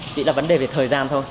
chỉ là vấn đề về thời gian thôi